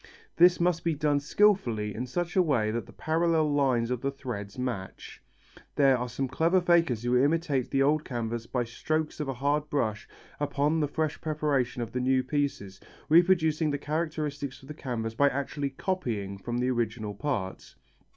This must be done skilfully in such a way that the parallel lines of the threads match. There are some clever fakers who imitate the old canvas by strokes of a hard brush upon the fresh preparation of the new pieces, reproducing the characteristics of the canvas by actually copying from the original part.